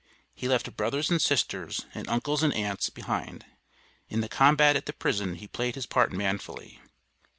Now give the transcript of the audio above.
He left brothers and sisters, and uncles and aunts behind. In the combat at the prison he played his part manfully.